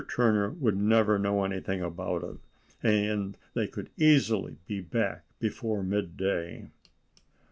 Turner would never know anything about it, and they could easily be back before mid day.